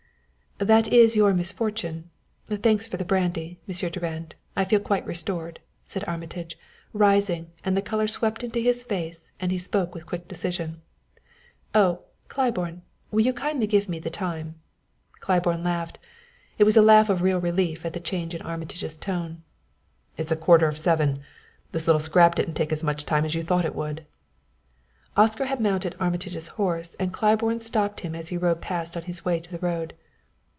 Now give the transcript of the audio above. "That is your misfortune! Thanks for the brandy, Monsieur Durand. I feel quite restored," said Armitage, rising; and the color swept into his face and he spoke with quick decision. "Oh, Claiborne, will you kindly give me the time?" Claiborne laughed. It was a laugh of real relief at the change in Armitage's tone. "It's a quarter of seven. This little scrap didn't take as much time as you thought it would." Oscar had mounted Armitage's horse and Claiborne stopped him as he rode past on his way to the road.